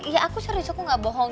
ya aku serius aku gak bohong